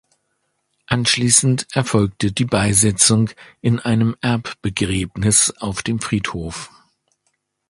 Anschließend erfolgte die Beisetzung in einem Erbbegräbnis auf dem Friedhof.